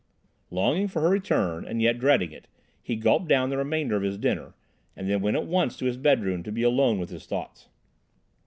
Longing for her return, and yet dreading it, he gulped down the remainder of his dinner, and then went at once to his bedroom to be alone with his thoughts.